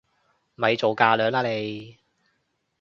咪做架樑啦你！